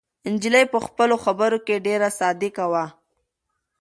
نجلۍ په خپلو خبرو کې ډېره صادقه وه.